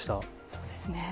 そうですね。